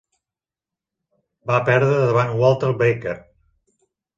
Va perdre davant Walter Baker.